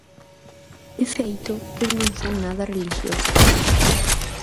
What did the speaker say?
De feito, eu non son nada relixiosa.